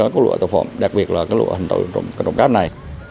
có lựa tổ phộng đặc biệt là lựa hình tội trong các đồng cáp này